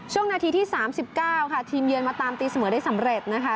ช่วงนาทีที่๓๙ค่ะทีมเยือนมาตามตีเสมอได้สำเร็จนะคะ